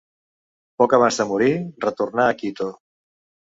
Poc abans de morir retornà a Quito.